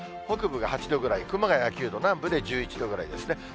北部が８度ぐらい、熊谷９度、南部で１１度ぐらいですね。